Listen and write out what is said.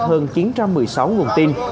hơn chín trăm một mươi sáu nguồn tin